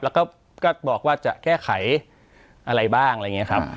แล้วก็บอกว่าจะแก้ไขอะไรบ้างอะไรอย่างนี้ครับ